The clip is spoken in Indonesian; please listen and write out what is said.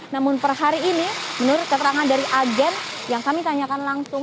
namun per hari ini menurut keterangan dari agen yang kami tanyakan langsung